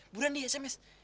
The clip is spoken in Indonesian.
buruan di sms